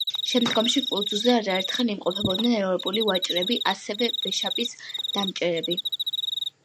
შემდგომში კუნძულზე არაერთხელ იმყოფებოდნენ ევროპელი ვაჭრები, ასევე ვეშაპის დამჭერები.